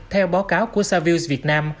theo báo cáo của savills việt nam